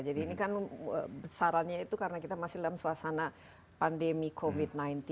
jadi ini kan sarannya itu karena kita masih dalam suasana pandemi covid sembilan belas